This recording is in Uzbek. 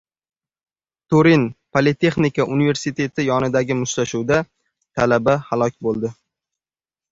Turin politexnika universiteti oldidagi mushtlashuvda talaba halok bo‘ldi